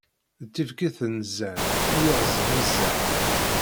D tibkit n zzan, i yeɣeẓẓen izan.